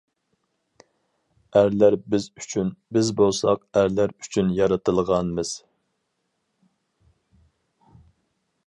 ئەرلەر بىز ئۈچۈن، بىز بولساق ئەرلەر ئۈچۈن يارىتىلغانمىز.